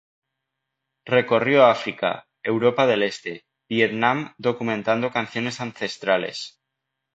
Recorrió África, Europa del este, Vietnam documentando canciones ancestrales.